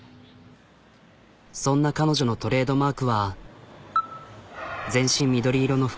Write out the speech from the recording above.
そんな彼女のトレードマークは全身緑色の服。